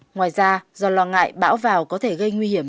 ngoài ra do lo ngại bão vào có thể gây nguy hiểm